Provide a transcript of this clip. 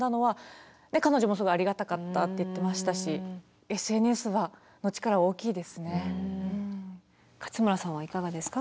で彼女もすごいありがたかったって言ってましたし勝村さんはいかがですか？